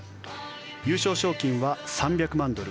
優勝賞金は３００万ドル